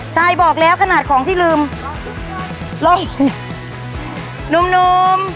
ใช่บอกแล้วขนาดของที่ลืมลงนุ่มนุ่ม